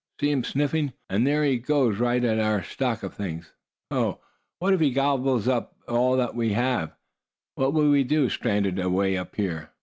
"See him sniffing, would you? And there he goes, right at our stock of things. Oh! what if he gobbles it all up, whatever will we do, stranded away up here?"